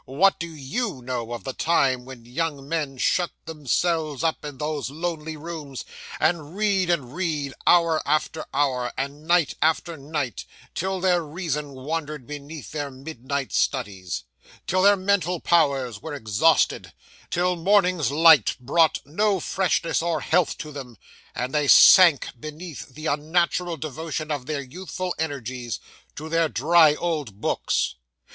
'What do _you _know of the time when young men shut themselves up in those lonely rooms, and read and read, hour after hour, and night after night, till their reason wandered beneath their midnight studies; till their mental powers were exhausted; till morning's light brought no freshness or health to them; and they sank beneath the unnatural devotion of their youthful energies to their dry old books?